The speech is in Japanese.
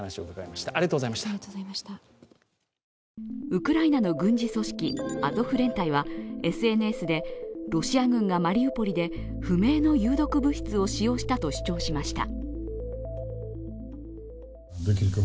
ウクライナの軍事組織、アゾフ連帯はＳＮＳでロシア軍がマリウポリで不明の有毒物質を使用したと主張しました。